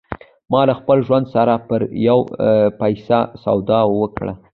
ما له خپل ژوند سره پر يوه پيسه سودا وکړه.